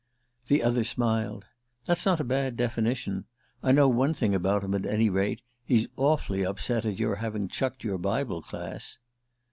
The other smiled. "That's not a bad definition. I know one thing about him, at any rate: he's awfully upset at your having chucked your Bible Class."